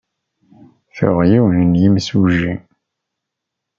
Tuɣ yiwen n yemsujji.